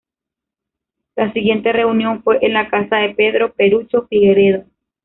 La siguiente reunión fue en la Casa de Pedro "Perucho" Figueredo.